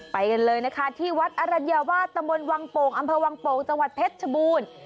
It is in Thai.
ไปกันเลยนะคะที่วัดอรัญญาวาสตมวังโป่งอำเภอวังโป่งจังหวัดเพชรชบูรณ์